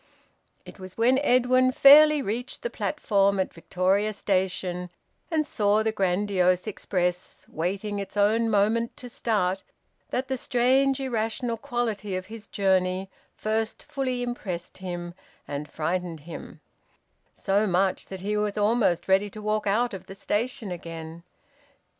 It was when Edwin fairly reached the platform at Victoria Station and saw the grandiose express waiting its own moment to start, that the strange irrational quality of his journey first fully impressed him and frightened him so much that he was almost ready to walk out of the station again.